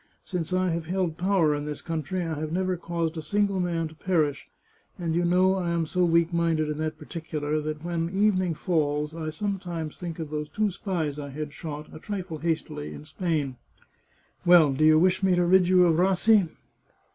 Since I have held power in this country I have never caused a single man to perish, and you know I am so weak minded in that particular, that when evening falls I sometimes think of those two spies I had shot, a trifle hastily, in Spain. Well, do you wish me to rid you of Rassi